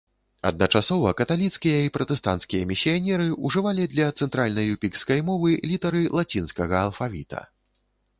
Адначасова каталіцкія і пратэстанцкія місіянеры ўжывалі для цэнтральна-юпікскай мовы літары лацінскага алфавіта.